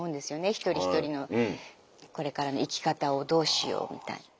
一人一人のこれからの生き方をどうしようみたいな。